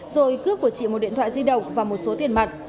rồi cướp của chị một điện thoại di động và một số tiền mặt